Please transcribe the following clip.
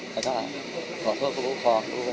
ขอโทษครูขอโทษ